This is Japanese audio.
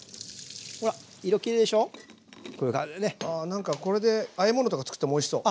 なんかこれであえ物とかつくってもおいしそう。